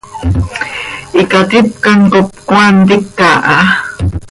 Icaticpan cop cmaa ntica ha.